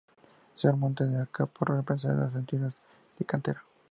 Sr. Montes de Oca, para remplazar las anteriores de cantera.